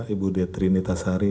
ibu d trinita sari